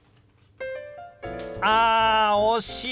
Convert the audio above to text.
あ惜しい！